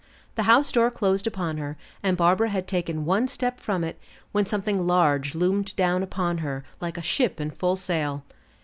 The house door closed upon her, and Barbara had taken one step from it, when something large loomed down upon her, like a ship in full sail.